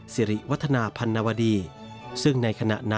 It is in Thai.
สิริวัฒนาพันนะวดี